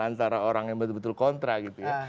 antara orang yang betul betul kontra gitu ya